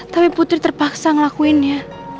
tapi putri terpaksa ngelakuinnya